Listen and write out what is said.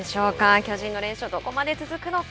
巨人の連勝はどこまで続くのか。